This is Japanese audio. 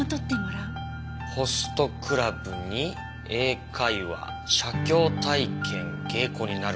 ホストクラブに英会話写経体験芸妓になる。